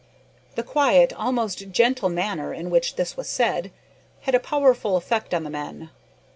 The quiet, almost gentle manner in which this was said, had a powerful effect on the men.